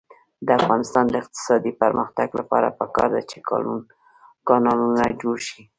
د افغانستان د اقتصادي پرمختګ لپاره پکار ده چې کانالونه جوړ شي.